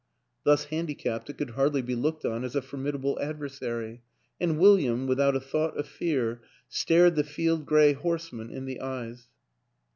Thus handicapped it could hardly be looked on as a formidable adversary ... and William, without a thought of fear, stared the field gray horseman in the eyes.